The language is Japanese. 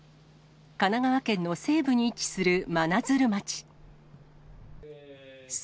神奈川県の西部に位置する真鶴町。